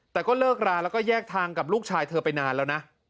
แต่ก็เลิกราแล้วก็แยกทางกับลูกชายเธอไปนานแล้วนะ